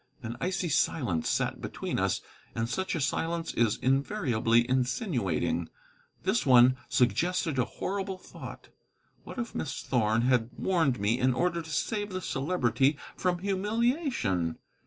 An icy silence sat between us, and such a silence is invariably insinuating. This one suggested a horrible thought. What if Miss Thorn had warned me in order to save the Celebrity from humiliation?